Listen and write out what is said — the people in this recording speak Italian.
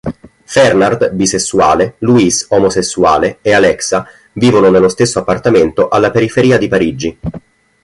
Fernand, bisessuale, Louis, omosessuale e Alexa vivono nello stesso appartamento alla periferia di Parigi.